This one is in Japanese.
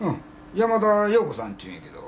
山田洋子さんちゅうんやけど。